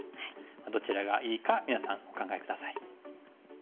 どちらがいいか皆さんお考え下さい。